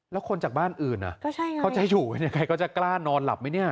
แล้วคนจากบ้านอื่นเขาจะอยู่กันยังไงก็จะกล้านอนหลับไหมเนี่ย